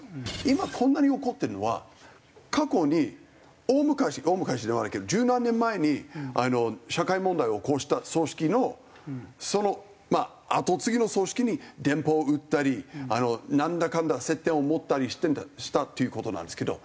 今こんなに怒ってるのは過去に大昔大昔ではないけど十何年前に社会問題を起こした組織のそのまあ後継ぎの組織に電報を打ったりなんだかんだ接点を持ったりしたっていう事なんですけど。